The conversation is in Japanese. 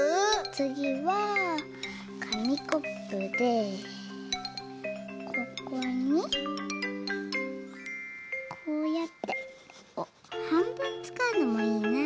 つぎはかみコップでここにこうやってはんぶんつかうのもいいな。